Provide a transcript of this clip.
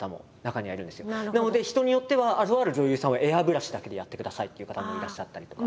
なので人によってはとある女優さんは「エアブラシだけでやってください」っていう方もいらっしゃったりとか。